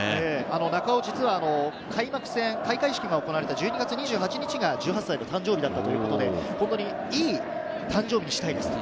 中尾は開幕戦、開会式が行われた１２月２８日が１８歳の誕生日だったということで、本当にいい誕生日にしたいです。